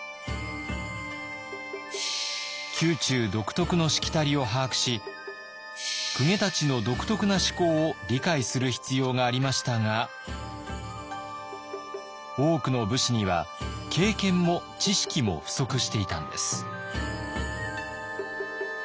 宮中独特のしきたりを把握し公家たちの独特な思考を理解する必要がありましたが多くの武士には経験も知識も不足していたんです。